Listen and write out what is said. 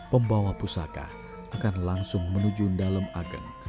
pembawa pusaka akan langsung menuju dalam agen